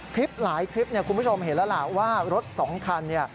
คลิปหลายคลิปคุณผู้ชมเห็นแล้วล่ะว่ารถสองคันเนี่ย